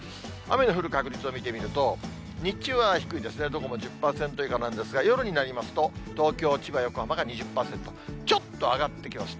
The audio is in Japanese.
雨の降る確率を見てみると、日中は低いですね、どこも１０％以下なんですが、夜になりますと、東京、千葉、横浜が２０％、ちょっと上がってきます。